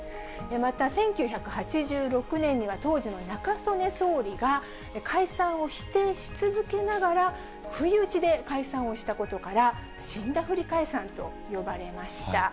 また、１９８６年には、当時の中曽根総理が、解散を否定し続けながら、不意打ちで解散したことから、死んだふり解散と呼ばれました。